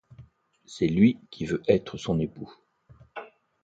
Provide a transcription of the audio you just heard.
C’est lui qui veut être son époux.